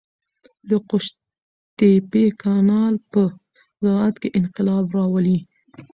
د قوشتېپې کانال په زراعت کې انقلاب راولي.